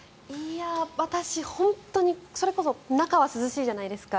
私、本当にそれこそ中は涼しいじゃないですか。